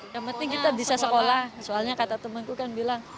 yang penting kita bisa sekolah soalnya kata temenku kan bilang